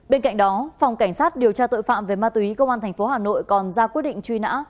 bên cạnh đó phòng cảnh sát điều tra tội phạm về ma túy công an tp hà nội còn ra quyết định truy nã